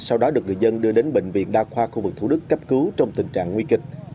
sau đó được người dân đưa đến bệnh viện đa khoa khu vực thủ đức cấp cứu trong tình trạng nguy kịch